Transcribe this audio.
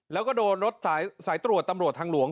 แล้วก็โดนรถสายตรวจตำรวจทางหลวง